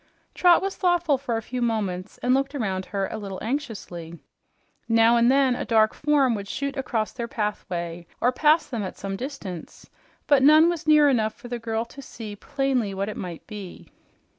Trot was thoughtful for a few moments and looked around her a little anxiously. Now and then a dark form would shoot across their pathway or pass them at some distance, but none was near enough for the girl to see plainly what it might be.